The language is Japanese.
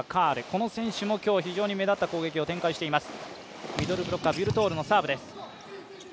この選手も今日、非常に目立った攻撃を展開しています。